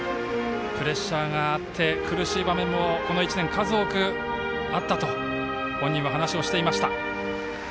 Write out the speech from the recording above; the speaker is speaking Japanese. プレッシャーがあって苦しい場面も、この１年数多くあったと本人も話しをしていました。